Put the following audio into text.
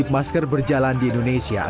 masker di indonesia